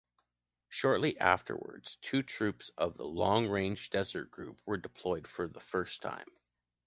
Shortly afterwards, two troops of the "Long Range Desert Group" were deployed for the first time.